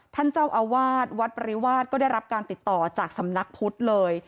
ท่านเจ้าอาวาสวัดปริวาสก็ได้รับการติดต่อจากสำนักพุทธเลย